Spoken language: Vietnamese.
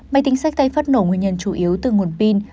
máy tính sách tay phát nổ nguyên nhân chủ yếu từ nguồn pin